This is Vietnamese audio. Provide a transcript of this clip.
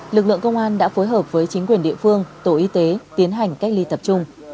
lực lượng công an đã phối hợp với chính quyền địa phương tổ y tế tiến hành cách ly tập trung